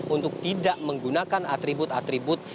untuk tidak menggunakan atribut atribut